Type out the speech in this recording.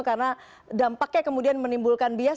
karena dampaknya kemudian menimbulkan bias